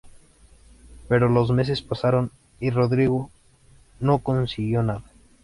Pero los meses pasaron y "Rodrigo" no consiguió nada.